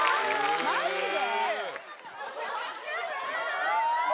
・マジで？